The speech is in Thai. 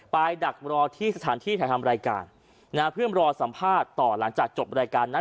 ดักรอที่สถานที่ถ่ายทำรายการนะฮะเพื่อรอสัมภาษณ์ต่อหลังจากจบรายการนั้น